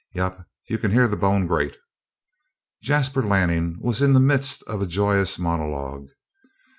Yep, you can hear the bone grate!" Jasper Lanning was in the midst of a joyous monologue.